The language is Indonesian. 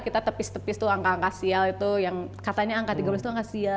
kita tepis tepis tuh angka angka sial itu yang katanya angka tiga belas itu angka sial